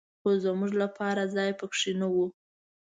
خو زمونږ لپاره ځای په کې نه و.